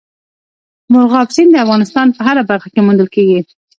مورغاب سیند د افغانستان په هره برخه کې موندل کېږي.